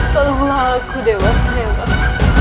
tolonglah aku dewa tayang aku